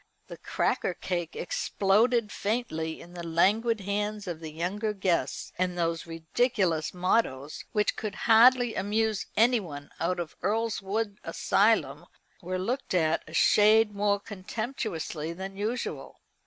The cracker cake exploded faintly in the languid hands of the younger guests, and those ridiculous mottoes, which could hardly amuse anyone out of Earlswood Asylum, were looked at a shade more contemptuously than usual.